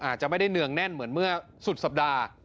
อาจจะไม่ได้เนืองแน่นเหมือนเมื่อสุดสัปดาห์